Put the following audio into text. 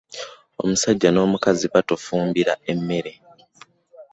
Omusajja no mukazi batufumbira emmere.